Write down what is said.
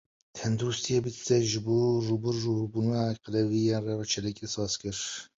Tendirustiya Bedlîsê ji bo rûbirûbûna bi qelewiyê re çalakî saz kir.